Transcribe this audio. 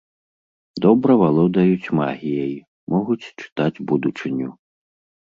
Добра валодаюць магіяй, могуць чытаць будучыню.